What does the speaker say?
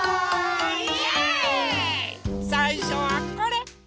さいしょはこれ。